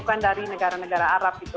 bukan dari negara negara arab gitu